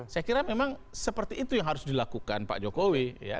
saya kira memang seperti itu yang harus dilakukan pak jokowi ya